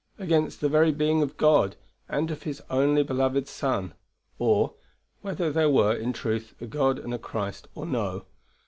Against the very being of God and of His only beloved Son; or, whether there were, in truth, a God and a Christ, or no.